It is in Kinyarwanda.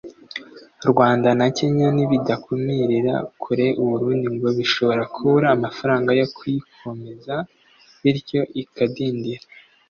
Rwanda na Kenya nibidakumirira kure Uburundi ngo bishobora kubura amafaranga yo kuyikomeza bityo ikadindira